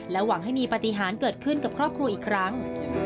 หวังให้มีปฏิหารเกิดขึ้นกับครอบครัวอีกครั้ง